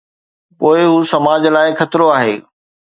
پوءِ هو سماج لاءِ خطرو آهي.